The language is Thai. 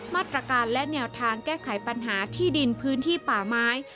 มาตรการและแนวทางแก้ไขปัญหาที่ดินพื้นที่ป่าไม้